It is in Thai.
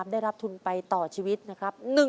ได้รับทุนไปต่อชีวิตนะครับ